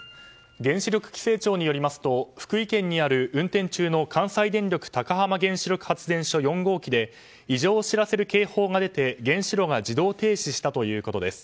原子力規制庁によりますと福井県にある、運転中の関西電力高浜原子力発電所４号機で異常を知らせる警報が出て原子炉が自動停止したということです。